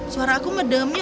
suara aku medem ya